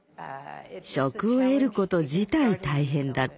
職を得ること自体大変だったわ。